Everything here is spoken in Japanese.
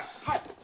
はい。